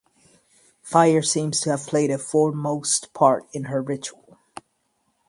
Fire seems to have played a foremost part in her ritual.